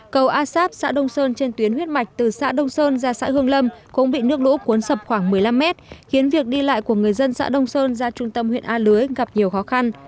cầu a sáp xã đông sơn trên tuyến huyết mạch từ xã đông sơn ra xã hương lâm cũng bị nước lũ cuốn sập khoảng một mươi năm mét khiến việc đi lại của người dân xã đông sơn ra trung tâm huyện a lưới gặp nhiều khó khăn